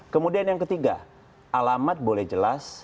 kemudian yang ketiga alamat boleh jelas